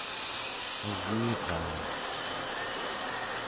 au͡giraun